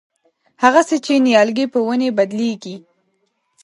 هغسې چې نیالګی په ونې بدلېږي.